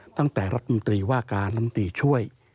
ตั้งแต่รัฐมนตรีว่าการลำตีช่วย